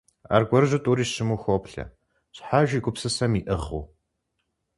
Аргуэрыжьу тӀури щыму хоплъэ, щхьэж и гупсысэм иӀыгъыу.